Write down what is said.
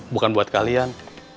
bukan buat kalian